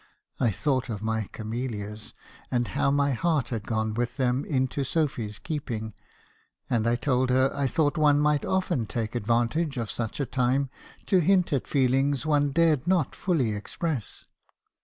I thought of my camellias , and how my heart had gone with them into Sophy's keeping; and I told her I thought one might often take advantage of such a time to hint at feelings one dared not fully express.